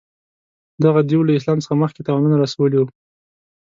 دغه دېو له اسلام څخه مخکې تاوانونه رسولي وه.